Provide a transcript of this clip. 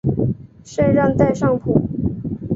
圣让代尚普。